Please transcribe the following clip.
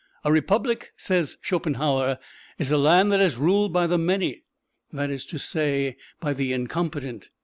"A Republic," says Schopenhauer, "is a land that is ruled by the many that is to say, by the incompetent."